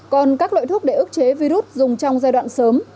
còn các loại thuốc để ức chế virus dùng trong giai đoạn sớm